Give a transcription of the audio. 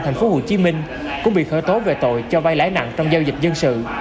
tp hcm cũng bị khởi tố về tội cho vay lái nặng trong giao dịch dân sự